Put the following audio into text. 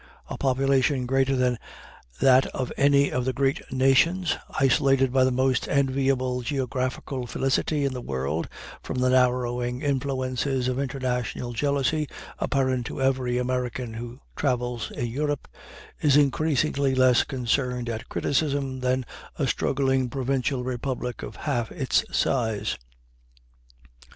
A population greater than that of any of the great nations, isolated by the most enviable geographical felicity in the world from the narrowing influences of international jealousy apparent to every American who travels in Europe, is increasingly less concerned at criticism than a struggling provincial republic of half its size.